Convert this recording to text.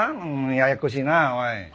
ややこしいなおい。